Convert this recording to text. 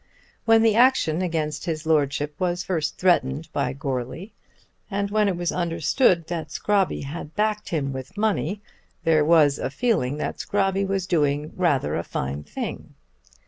When the action against his Lordship was first threatened by Goarly, and when it was understood that Scrobby had backed him with money, there was a feeling that Scrobby was doing rather a fine thing.